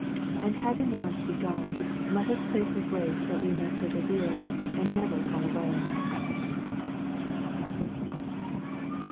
And having once begun, let us pray for grace that we may persevere, and never fall away.